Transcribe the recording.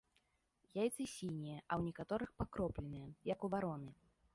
Яйцы сінія, а ў некаторых пакропленыя, як у вароны.